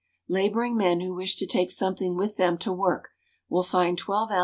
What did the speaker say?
Labouring men who wish to take something with them to work will find 12 oz.